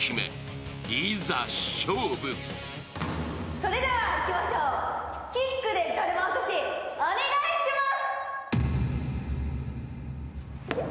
それではいきましょう、キックＤＥだるま落としお願いします。